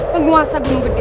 penguasa gunung gede